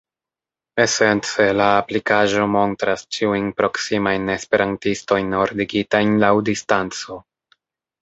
Esence, la aplikaĵo montras ĉiujn proksimajn esperantistojn ordigitajn laŭ distanco.